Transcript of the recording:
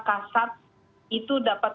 ksad itu dapat